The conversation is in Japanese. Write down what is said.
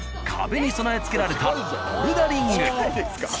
壁に備え付けられたボルダリング。